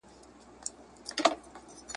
الهيار خان د هرات په خلکو کې ډېر محبوبيت درلود.